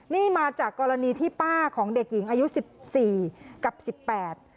นี่มาจากกรณีที่ป้าของเด็กหญิงอายุสิบสี่กับสิบแปด